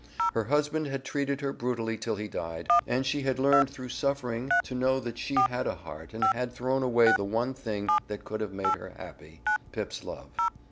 Her husband had treated her brutally till he died, and she had learned through suffering to know that she had a heart and had thrown away the one thing that could have made her happy Pip's love.